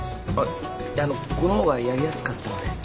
あっいやあのこの方がやりやすかったので。